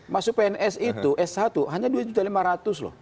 masuk pns itu s satu hanya dua lima juta